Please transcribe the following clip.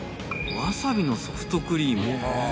ワサビのソフトクリーム。